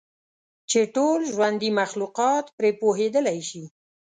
چې ټول ژوندي مخلوقات پرې پوهیدلی شي.